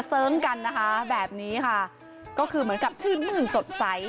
เสริมกันนะคะแบบนี้ค่ะก็คือเหมือนกับชื่นมื้นสดใส